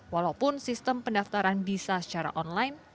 walaupun sistem pendaftaran bisa secara online